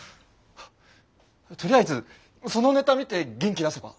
とりあえずそのネタ見て元気出せば。